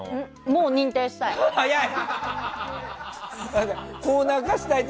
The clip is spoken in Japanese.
もう認定したい。